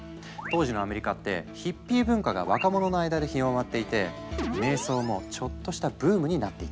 当時のアメリカってヒッピー文化が若者の間で広まっていて瞑想もちょっとしたブームになっていたんだ。